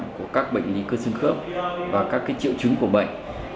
của các bệnh lý cơ sân khớp và các triệu chứng của bệnh